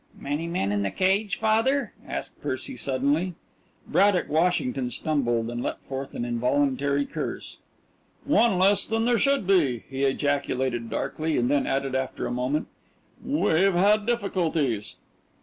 "Many men in the cage, father?" asked Percy suddenly. Braddock Washington stumbled, and let forth an involuntary curse. "One less than there should be," he ejaculated darkly and then added after a moment, "We've had difficulties."